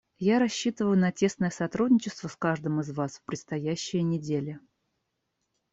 Я рассчитываю на тесное сотрудничество с каждым из вас в предстоящие недели.